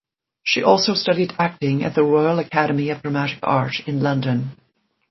She also studied acting at the Royal Academy of Dramatic Art in London.